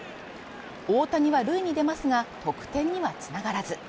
大谷は塁に出ますが得点には繋がらず。